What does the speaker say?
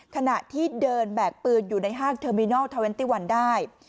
ขณะที่เดินแบกปืนอยู่ในห้างเทอร์มินอลเทอร์เวนตี้วันได้